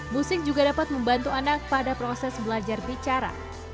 musik juga dapat membantu anak pada proses belajar bicara